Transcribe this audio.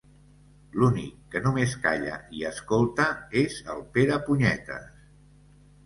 L'únic que només calla i escolta és el Perepunyetes.